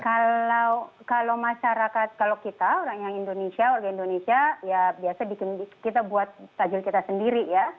kalau masyarakat kalau kita orang yang indonesia warga indonesia ya biasa kita buat tajul kita sendiri ya